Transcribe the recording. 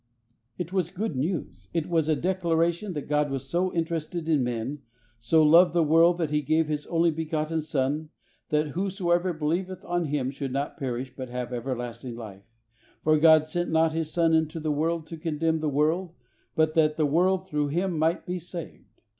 It was good news; it was a declaration that God was so interested in men — "so loved the world that He gave His only begotten Son, that who soever believeth on Him should not perish, but have everlasting life ; for God sent not His Son into the world to condemn the world, but that the world through Him might be saved."